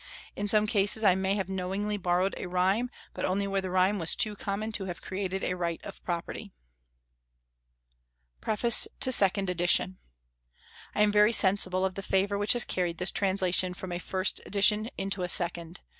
In some cases I may have knowingly borrowed a rhyme, but only where the rhyme was too common to have created a right of property. PREFACE TO SECOND EDITION. I am very sensible of the favour which has carried this translation from a first edition into a second.